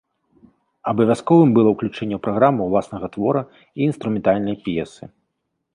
Абавязковым было ўключэнне ў праграму ўласнага твора і інструментальнай п'есы.